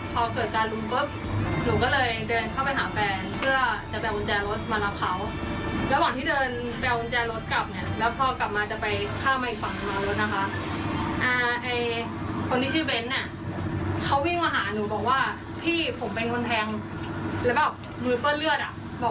พอเกิดตารุมก็หนูก็เลยเดินเข้าไปหาแฟนเพื่อจะแบบวนะแฟโรสมารับเขา